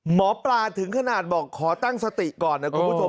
หมอปลาถึงขนาดบอกขอตั้งสติก่อนนะคุณผู้ชม